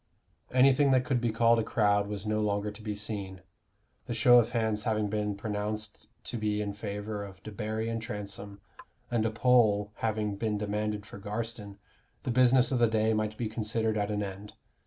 Anything that could be called a crowd was no longer to be seen. The show of hands having been pronounced to be in favor of Debarry and Transome, and a poll having been demanded for Garstin, the business of the day might be considered at an end.